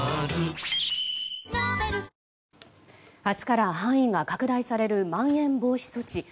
明日から範囲が拡大されるまん延防止措置。